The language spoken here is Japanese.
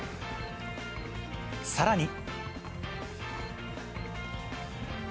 さらに。